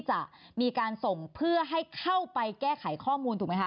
จะมีการส่งเพื่อให้เข้าไปแก้ไขข้อมูลถูกไหมคะ